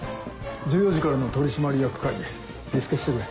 １４時からの取締役会議リスケしてくれ。